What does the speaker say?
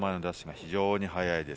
非常に速いです。